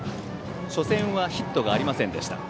初戦はヒットがありませんでした。